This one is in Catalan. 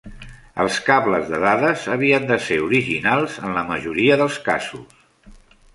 Els cables de dades havien de ser originals en la majoria dels casos.